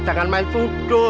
jangan main fudo